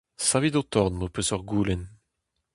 Savit ho torn m'ho peus ur goulenn.